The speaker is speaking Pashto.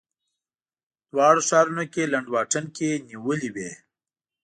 دواړو ښارونو کې لنډ واټن کې نیولې وې.